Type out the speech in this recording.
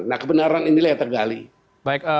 nah kebenaran inilah yang tergali